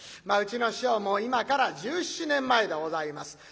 まあうちの師匠も今から１７年前でございます。